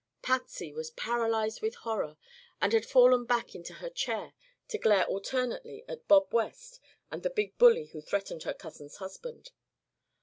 Patsy was paralyzed with horror and had fallen back into her chair to glare alternately at Bob West and the big bully who threatened her cousin's husband.